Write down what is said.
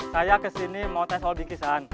saya kesini mau tes hal bingkisan